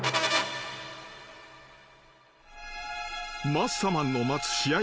［マッサマンの待つ試合